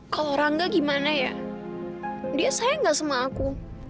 kalau rangga gimana ya dia sayang gak sama aku